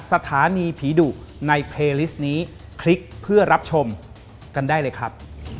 สวัสดีทุกคนครับ